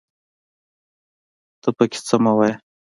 ته پکې څه مه وايه